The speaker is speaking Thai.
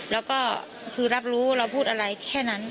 แล้วก็คือรับรู้เราพูดอะไรแค่นั้น